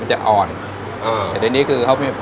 ตามได้